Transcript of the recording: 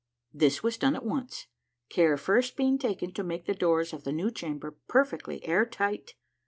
This was done at once, care first being taken to make the doors of the new chamber perfectly air tight.